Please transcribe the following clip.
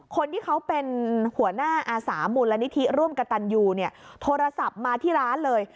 คนที่เขาเป็นหัวหน้าอาสามูลนิธิร่วมกระตันยูเนี่ยโทรศัพท์มาที่ร้านเลย